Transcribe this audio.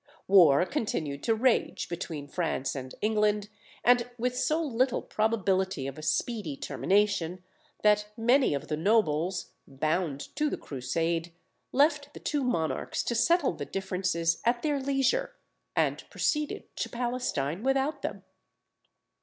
War continued to rage between France and England, and with so little probability of a speedy termination, that many of the nobles, bound to the Crusade, left the two monarchs to settle the differences at their leisure, and proceeded to Palestine without them.